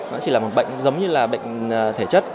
nó chỉ là một bệnh giống như là bệnh thể chất